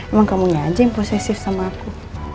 emang kamunya aja yang posesif sama aku